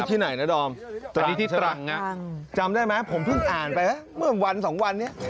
ที่ไหนนะดอมตัวนี้ที่ตรังนะจำได้ไหมผมเพิ่งอ่านไปเมื่อวันสองวันนี้